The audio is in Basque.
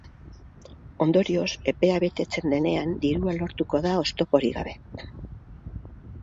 Ondorioz, epea betetzen denean, dirua lortuko da oztoporik gabe.